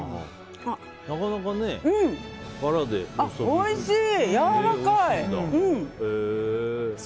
おいしい！